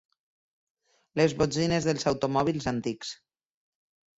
Les botzines dels automòbils antics.